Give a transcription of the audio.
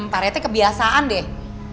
parete kebiasaan deh